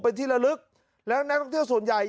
เป็นที่ละลึกแล้วนักท่องเที่ยวส่วนใหญ่